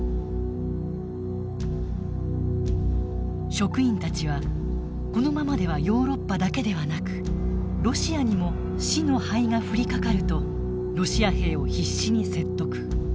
職員たちはこのままではヨーロッパだけではなくロシアにも「死の灰」が降りかかるとロシア兵を必死に説得。